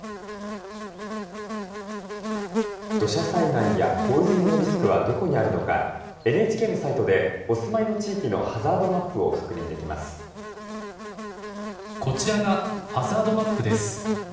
土砂災害や洪水のリスクはどこにあるのかＮＨＫのサイトでお住まいの地域のこちらがハザードマップです。